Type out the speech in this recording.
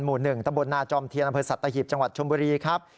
หมู่๑ตำบลนาจอมเทียนอเภิร์สัตว์ตะหิบจังหวัดชมบุรีครับ